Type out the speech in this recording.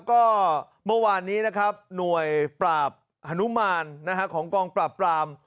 ก็เมื่อวานนี้นะครับหน่วยปราบฮนุมานของกองปราบปราม